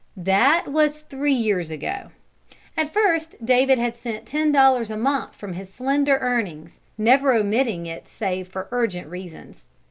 That was three years ago. At first David had sent ten dollars a month from his slender earnings, never omitting it save for urgent reasons.